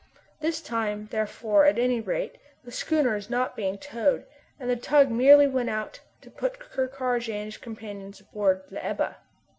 This time, therefore, at any rate, the schooner is not being towed, and the tug merely went out to put Ker Karraje and his companions aboard the Ebba.